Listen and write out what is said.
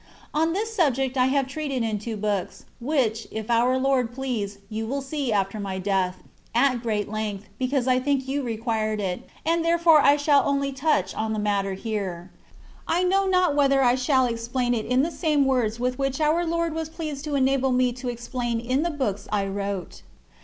On this subject I have treated in two books,* (which, if our Lord please, you will see after my death), at great length, because I think you required it, and therefore I shall only touch on the matter here. I know not whether I shall explain it in the same words with which our Lord was pleased to enable me to explain in the books I wrote.